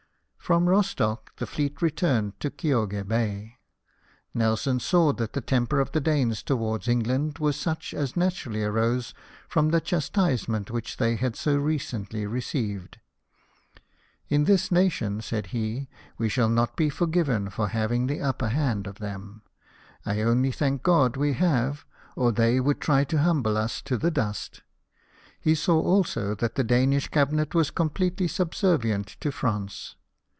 From Rostock the fleet returned to Kioge Bay. Nelson saw that the temper of the Danes towards England was such as naturally arose from the chas tisement which they had so recently received. " In this nation/' said he, " we shall not be forgiven for having the upper hand of them. I only thank God we have, or they would try to humble us to the dust." He saw also that the Danish Cabinet was completely subservient to France.